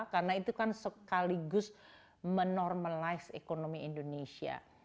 karena itu kan sekaligus menormalize ekonomi indonesia